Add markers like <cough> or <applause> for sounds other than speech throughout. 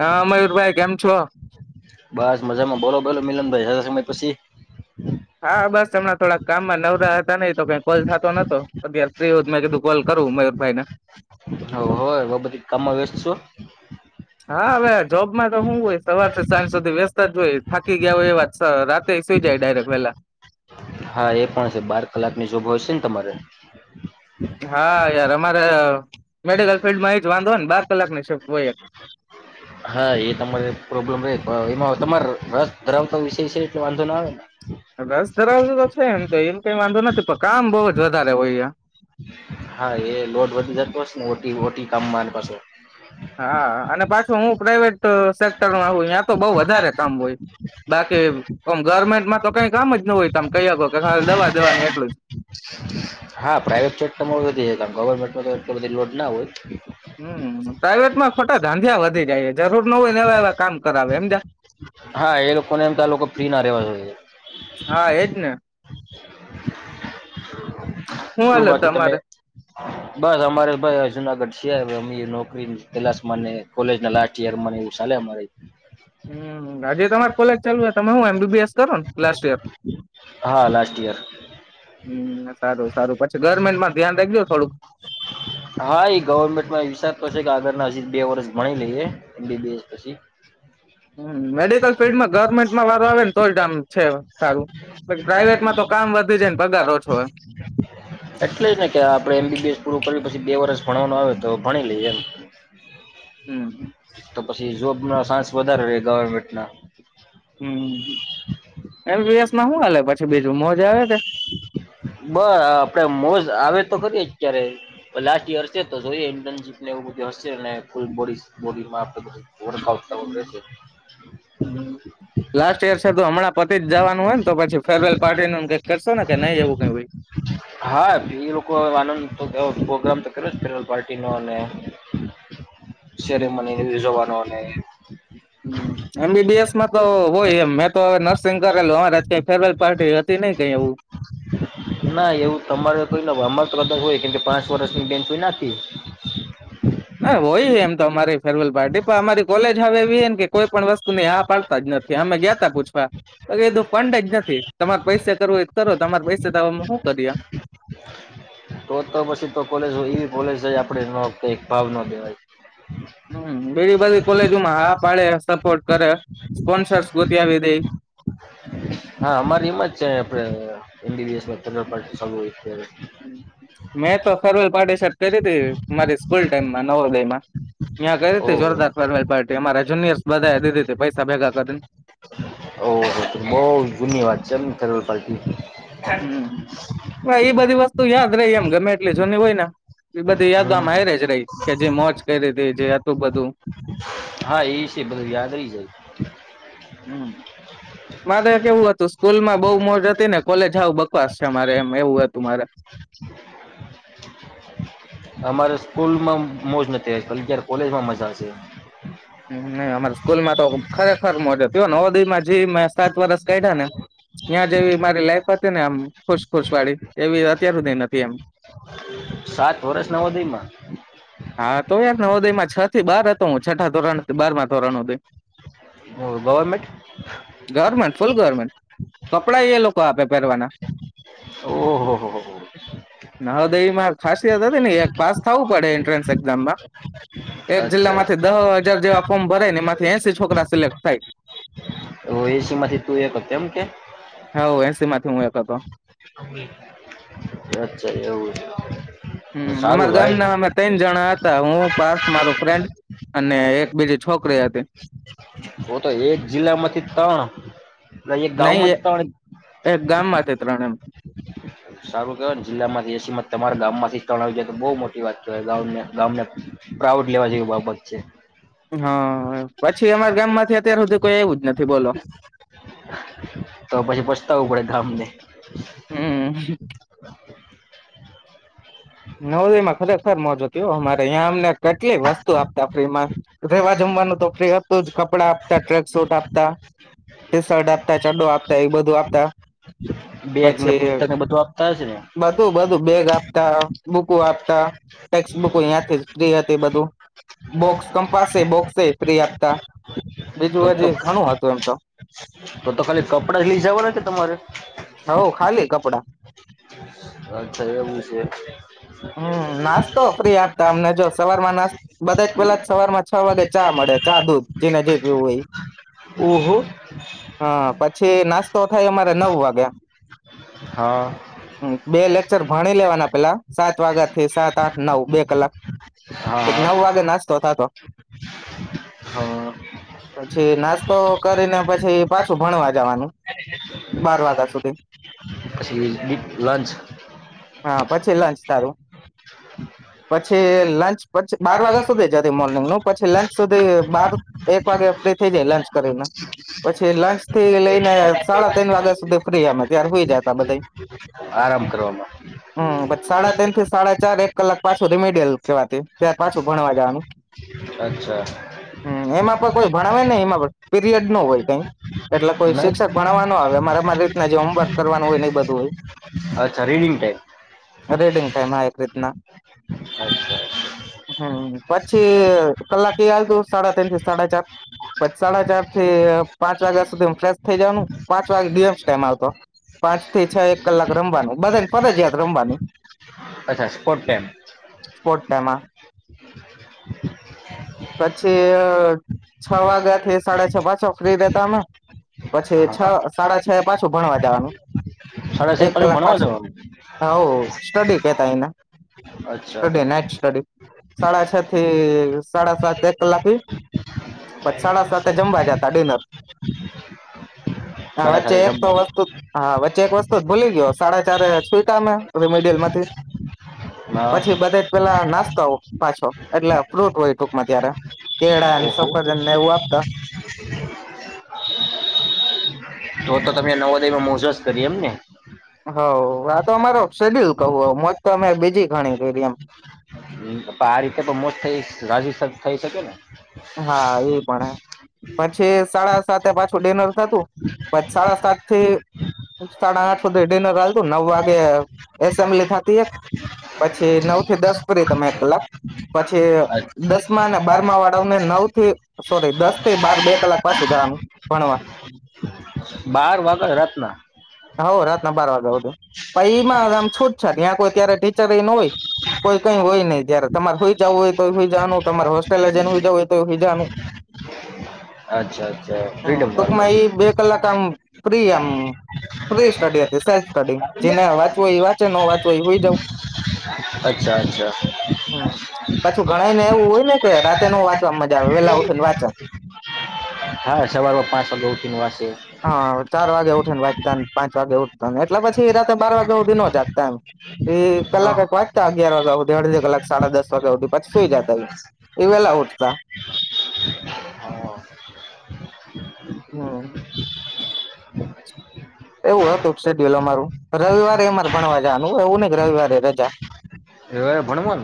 હા મયુરભાઈ કેમ છો બસ. મજામાં. બોલો બોલો? મિલન ભઈ હરા સમય પછી હા, બસ હમણાં થોડાક કામમાં નવરા હતા નઈ તો કઈ કોલ થાતો નતો. અત્યાર ફ્રી હોત મેં કીધું કોલ રુ મયુરભાઈ ન. હવ હોય વ બધી કામમાં વ્યસ છો. હા, હવે જોબમાં તો હુ હોય સવાર સે સાંજ સુધી વેસતા જ હોય. થાકી ગયા હોય એ વાત સ રાતે સુઈ જાય ડાયરેક વેલા. હા, એ પણ છે. બાર કલાકની જોબ હોય છે ને તમારે? હા, યાર અમારે મેડિકલ ફિલ્ડમાં એ જ વાંધો ન બાર કલાકની શિફ્ટ હોય એક. હા, એ તમારે પ્રોબ્લેમ રે પણ ઈમા તમાર રસ ધરાવતો વિષય શે એટલે વાંધો ના આવેન. રસ ધરાવતું તો છે ન તો એમ કઈ વાંધો નથી પણ કામ બઉ જ વધારે હોય અહીયા. હા, એ લોડ વધી જાતો હશે ન. ઓટી-ઓટી કામમા ન પાસો. હા, અને પાશું હું પ્રાાઈવેટ સેક્ટરમાં હોય ન્યાં તો બઉ વધારે કામ હોય. બાકી ઓમ ગવર્મેન્ટમાં તો કઈ કામ જ ન હોય તમ કઈ હકો કે હાલ દવા દવાન એટલું જ. હા, પ્રાઈવેટ સેક્ટરમાં વધી જાય કામ. <unintelligible> બધે લોડ ના હોય. હમ, પ્રાાઈવેટમાં ખોટા ધાંધિયા વધી જાય હે. જરૂર ન હોય ને એવા એવા કામ કરાવે હમજ્યા. <inaudible> હા, એ લોકોને એમ કે આ લોકો ફ્રી ના રેવા જોઈએ. હા એજ ને હું શું હાલે બાકી તમે તમારે? બસ અમારે ભઈ આ જુનાગઢ છીએ. હવે અમીએ નોકરી, કલાશમાંને કોલેજના લાસ્ટ યરમાંને એવું ચાલે અમારેય. હમ, આજે તમાર કોલેજ ચાલુ હે? તમે હું એમબીબીએસ કરો ન લાસ્ટ યર? હા લાસ્ટ યર હમ, સારું સારું પછી ગવર્મેન્ટમાં ધ્યાન રાખજો થોડુંક. હા, એ ગવર્મેન્ટમાં વિસાર તો શે કે આગળના હજી બે વર્ષ ભણી લઈએ. એમબીબીએસ પછી. હમ, મેડિકલ ફિલ્ડમાં ગવર્મેન્ટમાં વારો આવે ન તો જ આમ છે સારું. પ્રાાઈવેટમાં તો કામ વધી જાય ન પગાર ઓછો હોય. એટલે જ ને કે આપડે એમબીબીએસ પૂરું કરી પછી બે વર્ષ ભણવાનું આવે તો ભણી લઈએ એમ. હમ. પસી જોબ ના સાન્સ વધારે રે ગવર્મેન્ટના. હમ. એમબીએસમાં હુ હાલે પછી બીજું મોજ આવે કે. પ આપડે મોઝ આવે અત્યારે લાસ્ટ ઈયર શે તો જોઈએ ઈન્ટનશીપ ને એવુ બધુ હશે. ને ફૂલ બોડી બોડીમાં વર્કઆઉટ કરવાનું રેશે. લાસ્ટ યર છે તો હમણાં પતિ જ જવાનું હોય ને તો પછી ફેરવેલ પાર્ટી નું કઈક કરશો ને કે નહીં એવું કઈ હોય <unintelligible> હા, ઈ લોકો હવે વાનંદ તો બઉ પ્રોગ્રામ તો કર્યો જ કર્યો પાર્ટીનો અને શ્યારે મને વયુ ઝવાનો અને હમ, એમબીબીએસમાં તો હોય એમ. મે તો હવે નર્સિંગ કરેલું. અમાર આજ કાઈ ફેરવેલ પાર્ટી હતી કે ન કઈ એવું. ના એવું તમારે કઈ ન હોય. અમાર તો કદાચ હોય કેમ કે પાંચ વર્ષની બેનચ કોઈ નાખી. ના હોય, એમ તો અમારેય ફેરવેલ પાર્ટી પર અમારી કોલેજ હવે એવી હેન કે કોઈ પણ વસ્તુની હા પાડતા જ નથી. અમે ગ્યાતા પૂછવા બાકી એ તો ફંડ જ નથી. તમાર પૈસે કરવું હોય ત કરો. તમારે પૈસે તો હુ કરીયે. તો તો પસી તો કોલેજ હોય. ઈવી કોલેજય આપડે ન કઈક ભાવ ન દેવાય. <inaudible> હમ બીજી બધી કોલેજોમાં હા પાડે સપોર્ટ કરે સ્પોન્સર્સ ગોતાવી દે હા અમારી એમાં જ છે, <unintelligible> મેં તો ફેરવેલ પાર્ટી શટ કરી હતી મારી સ્કૂલ ટાઈમમાં નવોદયમાં ત્યાં કરી તી ઓહો જોરદાર ફેરવેલ પાર્ટી અમારે જુનિયર્સ બધા દીધી પૈસા ભેગા કરીને ઓહ બોવ ધુન્યવાદ છે, એમ <inaudible> હમ એ બધી વસ્તુ યાદ રહી એમ ગમે એટલી જૂની હોય ને એ બધી યાદ આમ હાયરે જ રહી કે જે મોજ કરી રી હતી જે હતું બધું હા એ વિશે બધું યાદ રહી જાય હમ. મારે કેવું હતું સ્કૂલમાં બોવ મોજ હતી ને કોલેજ હાવ બકવાસ છે, મારે એમ એવું હતું મારે <inaudible> અમારે સ્કૂલમાં મોજ નથી જ્યારે કોલેજમાં મજાશે અમારા સ્કૂલમાં તો ખરેખર મોજ હતી હો નવોદયમા જ મેં સાત વરસ કાઢ્યા ને ત્યાં જેવી મારી લાઈફ હતી ને આમ ખુશખુશ વાળી એવી અત્યારે સુધ સાત વર્ષ નવોદયમાં હા તો યાર નવોદયમાં છ થી બાર હતો હું છઠા બારમાં ધોરણ હુથી ગવર્મેન્ટ ગર્મેન્ટ ફૂલ ગર્મેન્ટ કપડા એ લોકો આપે પેરવાના ઓહ. નહદયમાં ખાસિયત હતી ને એ ક્લાસ થવું પડે એન્ટ્રન્સ એક્ઝામમાં એક અચ્છા જિલ્લામાંથી દહ હજાર જેવા ફોર્મ ભરાય ને એમાંથી એસી છોકરા સિલેક્ટ થાય તો એસીમાંથી તું એક એમ કે હા એસી માંથી હું એક હતો અચ્છા એવું છે. હ સારું અમારા ભાઈ ગામના અમે ત્રણ જણા હતા હું પાર્થ મારો ફ્રેન્ડ અને એક બીજી છોકરી હતી. ઓ તો એક જિલ્લામાંથી તણ અહીંયા ગાવમા નહી જ તણ એક ગામમાંથી ત્રણ એમ હારુ કેવાયને જીલ્લામાંથી એસીમાંથી તમારા ગામમાંથી ત્રણ આવી જાય તો બોવ મોટી વાત કેવાય ગામ પ્રા વુડ લેવા જેવી બાબત છે. હા પછી અમારા ગામમાંથી અત્યાર સુધી કોઈ આયવુજ નથી બોલો તો પછી પસ્તાવવું પડે ગામને હમ. <inaudible> નવદોયમાં ખરેખર મોજ હતી હ અમારે અંયા અમને કેટલીક વસ્તુ આપતા ફ્રીમાં રેવા જમ માનુ તો ફ્રી હતુ જ કપડા આપતા ટ્રેક સૂટ આપતા ટી શર્ટ આપતા ચડડો આપતા એ બધું આપતા બેકને પછી પુસ્તક ને બધું આપતા હશે ને બુકો આપતા ટેક્સ્ટ બુકો અત્યાંથી જ ફ્રી હતી બધું બોક્સ કંપાસે બોક્સે ફ્રી આપતા તો બીજું તો હજી ઘણું હતું એમ તો તો તો ખાલી કપડા જ લઈ જવાના કે તમારે હ ખાલી કપડા અચ્છા એવું છે. હમ નાસ્તો ફ્રી આપતા અમને જો સવારમાં ના બધા પેલા સવાર માં છ વાગે ચા મળે ચા દૂધ જેને જે પીવું હોય એ ઓહો હા પછી નાસ્તો થાય અમારે નવ વાગ્યા હા. બે લેક્ચર ભણી લેવાના પેલા સાત વાગ્યાથી સાત આઠ નવ બે કલાક ઠેટ હા નવ વાગે હા નાસ્તો થાતો હા પછી નાસ્તો કરીને પછી પાછું ભણવા જાવાનું. પછી બી લંચ તારો પછી લંચ પછ બાર વાગ્યા સુધી જ હતી મોર્નિંગ નું, પછી લંચ સુધી બાર એક વાગે થઈ જાય લંચ કરીને, પછી લંચ થી લઈને સાડા તણ વાગ્યા સુધી ફ્રી અમે ત્યારે હુઈ જાતા બધાય. આરામ કરવામાં તય્ન થી સાડા ચાર એક કલાક પાછું રીમીડિયલ કહેવાતી ત્યાર પાછું ભણવા જાવાનું. અચ્છા. કોઈ ભણાવે નહી એમાં પણ પીરિયડ નો હોય કઈ એટલે કોઈ શિક્ષક ભણાવવા ન આવે અમારે અમારી રીતના જે હોમવર્ક કરવાનું હોય ને એ બધું <inaudible> અચ્છા રીડિંગ ટાઈમ. તેમાં એક રીતના અચ્છા હમ્મ. પછી કલાકે એ હાલતું સાડા તન થી સાડા ચાર પછ સાડા ચાર થી અહ પાંચ વાગ્યા સુધીન ફેશ થઇ જવાનું, પાંચ વાગે ગેમ્સ ટાઈમ હાલતો. પાંચ થી છ એક કલાક રમવાનું, બધાને ફરિજયાત રમવાનું. અચ્છા સ્પોર્ટ ટાઈમ સ્પોર્ટ ટાઈમમાં પછી અહ છ વાગા થી સાડા છ પાછો ફ્રી રહેતા અમે પછી છ સાડા છ એ પાછું ભણવા જાવાનું. સાડા છ એક પાછું કલાક ભણવા પાછી જવાનું હોવ સ્ટડી કેતા એને અચ્છા સ્ટડી નાઈટ સ્ટડી, સાડા છ થી સાડા સાત એક કલાક ઈ, પછ સાડા સાતે જમવા જાતા ડિનર. હા સાડા વચ્ચે સાતે એક તો જમવાનું વસ્તુ હા વચ્ચે એક વસ્તુ જ ભૂલી ગયો સાડા ચારએ છૂયટા અમે બધું <unintelligible> માંથી પછી હા બધા જ પેલા નાસ્તા પાછો એટલે ફ્રૂટ હોય તો માં ત્યારે, કેળાન ઓહો સફરજનને એવું આપતા તો-તો તમે નવોદયમાં મોજ જ કરી એમને. હોવ, આ તો અમારો શેડ્યુલ કવ હું, મોજ તો અમે બીજી ઘણી કયરી એમ. હમ્મ. પણ આ રીતે પણ મોજ થઈ હશે કા થઈ શકે ને? હા એ પણ. પછી સાડા સાતે પાછું ડિનર થતું, પછ સાડા સાત થી સાડા આઠ હુધી ડિનર હાલતું, નવ વાગે એસેમ્બલી થાતી એક પછી નવ થી દસ કરી તમે એક કલાક, પછી અચ્છા, દસમા અને બારમા વા ળાવને નવ થી સોરી દસ થી બાર બે કલાક પાછું જાવાનું ભણવા. બાર વાગે રાતના? હોવ રાતના બાર વાગા હુધી. પહી એમાં તમ છૂટછાટ, યા ત્યાંરે કોઈ ત્યારે ટીચરે ન હોય કોઈ કઈ હોય નહી ત્યારે તમારે હુઈ જાઉં હોય તોઈ હુઈ જાવાનું તમારે હોસ્ટેલે જઈન હુઈ હોય તોય હુઈ જાવાનું. અચ્છા અચ્છા હા ફ્રીડમ ટૂકમાં વાળું ઈ બે કલાક આમ ફ્રી આમ ફ્રી સ્ટડી હતી, સેલ્ફ સ્ટડી. જેને વાંચવું હોય ઈ વાંચે, ન વાંચવું હોય ઈ હુઈ જાવ. અચ્છા અચ્છા હમ્મ, પાછું ઘણાય ને એવું હોય ને કે રાત તે નો વાંચવામાં મજા આવે વેલા ઉઠી ને વાંચે. હા સવારમાં પાંચ વાગે ઉઠીને વાંચે હા ચાર વાગે ઉઠીને વાંચતાન પાંચ વાગે ઉઠતા, એટલે પછી રાતે બાર વાગે હુધીન નો જાગતા એમ, ઈ કલાક હા એક વાચતા અગિયાર વાગા હુધી, અડધી કલાક સાડા દસ વાગા હુધી પછી સુઈ જાતા ઈ. એ વહેલા ઉઠતા. હા. <inaudible> એવું હતુંક શેડ્યુલ અમારું. રવિવારે અમારે ભણવા જવાનું એવું નહી કે રવિવારે રજા. એવે ભણમન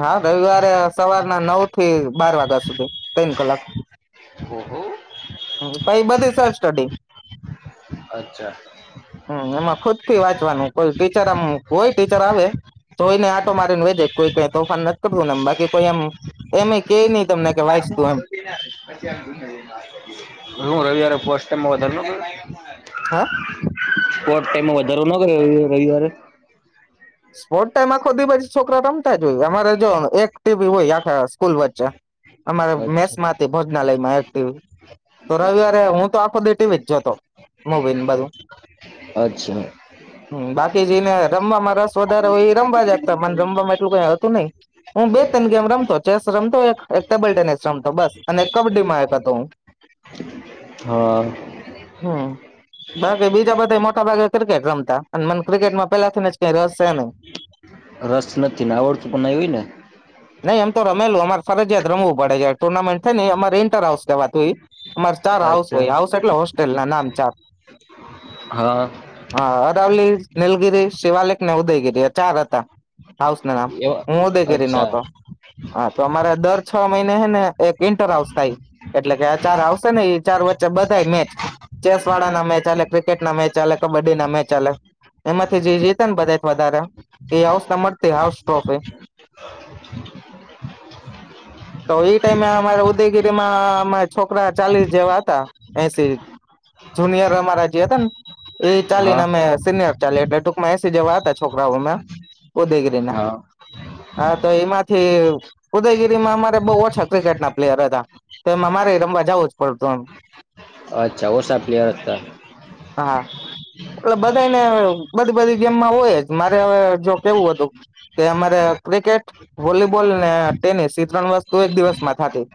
હા રવિવારે સવારના નવ થી બાર વાગ્યા સુધી તન કલાક ઓહો પઈ બધી સેલ્ફ સ્ટટી અચ્છા હમ એમાં ખુદ થી વાંચવાનું કોઈ ટીચર આમ કોઈ ટીચર આવે તોઈ ને આટો મારી ને વેજે કોઈ કઈ તોફાન નથી કરતું નેમ બાકી કોઈ એમ એમે કે નહી તમને કે હું વાંચતું એમ રવિવારે ફર્સ્ટ ફર્સ્ટ હા ટાઈમે <unintelligible> રવિવારે સ્પોર્ટ ટાઈમ આખો દી પછી છોકરા રમતા જ હોય અમારે જો એક ટીબી હોય આખા સ્કૂલ વચ્ચે અમારા અચ્છા મેસમાંથી ભોજનાલયમાં એક્ટિવ તો રવિવારે હું તો આખો ડી ટીવી જ જતો મોબાઈ બાજુ અચ્છા બાકી જઈને રમવામાં રશ વધારે હો એ રમવા જતા મને રમવામાં એટલું કઈ હતું નહી હું બે ત્રણ ગેમ રમતો ચેસ રમતો એક એક ટેબલ ટેનિસ રમતો બસ અને એક કબડ્ડીમાં એક હતો હું <inaudible> હા હમ બાકી બીજા બધા મોટા ભાગે ક્રિકેટ રમતા મને ક્રિકેટમાં પેલાથીને જ ક રસ છે નહી રસ નથી ને આવડતું પણ નઈ હોય ને નહી એમ તો રમેલો અમારે ફરજિયાત રમવું પડે છે ટુર્નામેન્ટ થઈ ને અમારે ઈન્ટર હાઉસ કેવાતું ઈ અમારે ચાર હાઉસ અચ્છા હોય હાઉસ એટલે હોસ્ટેલ ના નામ ચાર હા હા અરાવલી નિલગિરી શિવાલેખ ને ઉદયગીરી ચાર હતા હાઉસ ન નામ હું એવા ઉદયગીરી ન અચ્છા હતો હા તો અમારે દર છ મહિને હે ને એક ઇન્ટર હાઉસ થાય એટલે કે આ ચાર હાઉસે શે ને ઈ ચાર વચ્ચે બધાાય મેચ ચેસ વાળા ના મેચ હાલે ક્રિકેટ ના મેચ હાલે કબ્ડી ના મેચ હાલે એમાંથી જે જીત બધ વધારે એ હાઉસ ને મળતી હાઉસ ટોફ <inaudible> તો એઈ ટાઈમે અમારા ઉદયગીરીમાં અમા છોકરા ચાલીસ જેવા હતા એસી જુનિયર અમારા જે હતા ને એ ચાલી હા ને અમે સિનિયર ચાલી એટલે બેતું જવા હાતા છોકરાઓ ઉદયગીરી ના હા હા તો એમાંથી ઉદયગીરીમાં અમારે બોહ ઓછા ક્રિકેટના પ્લેયર હતા તો એમ અમારે રમવાજાવું જ પડતું એમ અચ્છા ઓછા પ્લેયર હતા હા એટલે બધાને બધી બધી ગેમમાં હોય જ મારે હવે જો કેવું હતું કે અમારે ક્રિકેટ વોલીબોલ ને ટેનિસ એ ત્રણ વસ્તુ એક દિવસમાં થતું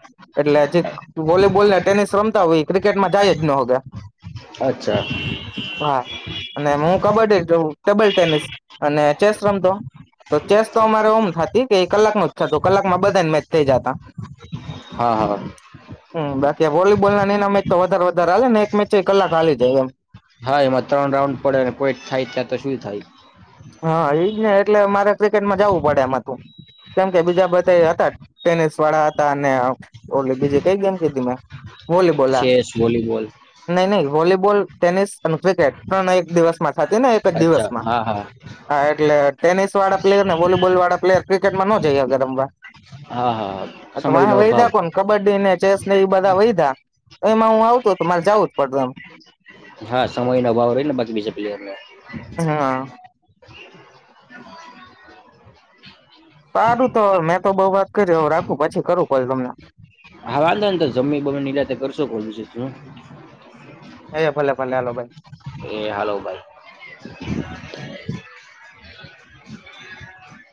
એટલે જે વોલીબોલ ને ટેનિસ રમતા હોય ક્રિકેટમાં જાય જ નો અચ્છા હા અને હું કબડ્ડી ટેબલ ટેનિસ અને ચેસ રમતો તો ચેસ તો અમારે ઓમ થતી કે કલાક ન જ થતું કલાકમાં બધા જ મેચ થઇ જતા હા હા હ બાકી વોલીબોલ ના એને મેચ તો વધારે વધારે હાલે ને એક મેચ કલાક હાલી જાય એમ હા એમાં ત્રણ રાઉન્ડ પડે કોઈ થાય ક્યાં તો શું થાય હા ઈજ ને એટલે મારે ક્રિકેટમાં જવું પડે એમાં તું કેમ કે બીજા બધા હતા ટેનિસ વાળા હતા અને ઓ બીજી કઈ ગેમ કીધી મેં ચેસ વો નહી નહી વોલીબોલ ટેનિસ અને ક્રિકેટ ત્રણ એક દિવસમાં થતી ને એક જ અચ્છા દિવસમાં હા હા હા એટલે ટેનિસ વાળા પ્લેયર ને વોલીબોલ વાળા પ્લેયર ક્રિકેટમાં નો જઈ શકે હા હા રમવા તમારે સમયનો અભાવ વહીધા કોણ કબડ્ડી ને ચેસ ને એ બધા વૈધા હા સમય ન અભાવ રહીને બાકી બીજા પ્લેયરને હા <inaudible> <inaudible> સારું તો મેં તો બઉ વાત કરી રાખું પછી કરું કોલ તમને હા વાંધો ને તો જમી બમી ને નિરાંતે કરશો કોલ બીજું શું હ ભલે ભલે હાલો ભાઈ એ હાલો બાય <inaudible> <unintelligible>